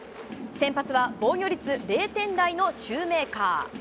先発は防御率０点台のシューメーカー。